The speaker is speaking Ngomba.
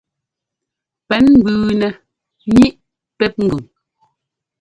Pɛ́n mbʉʉnɛ ŋíʼ pɛ́p ŋgʉn.